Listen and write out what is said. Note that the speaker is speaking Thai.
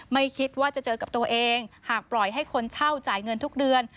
ไม่คิดว่าจะเจอกับตัวเองหากปล่อยให้คนเช่าจ่ายเงินทุกเดือน